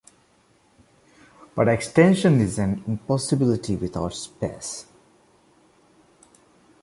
But extension is an impossibility without space.